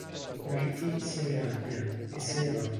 Matty si arrabbia e se ne va.